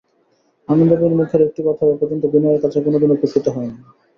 আনন্দময়ীর মুখের একটি কথাও এপর্যন্ত বিনয়ের কাছে কোনোদিন উপেক্ষিত হয় নাই।